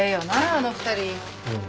あの２人。